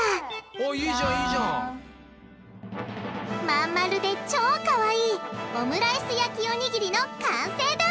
真ん丸で超かわいいオムライス焼きおにぎりの完成だ！